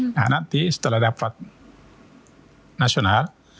nah nanti setelah dapat nasional